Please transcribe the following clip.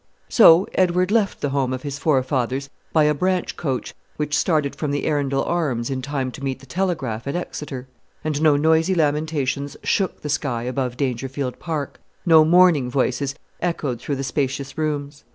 So Edward left the home of his forefathers by a branch coach, which started from the "Arundel Arms" in time to meet the "Telegraph" at Exeter; and no noisy lamentations shook the sky above Dangerfield Park no mourning voices echoed through the spacious rooms.